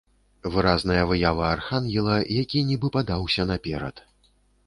Выразная выява архангела, які нібы падаўся наперад.